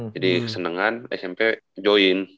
jadi kesenangan smp join